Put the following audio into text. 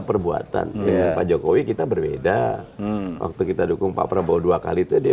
perbuatan dengan pak jokowi kita berbeda waktu kita dukung pak prabowo dua kali itu di